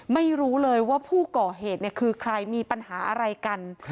ไม่รู้เลยว่าผู้ก่อเหตุคือใครมีปัญหาอะไรกัน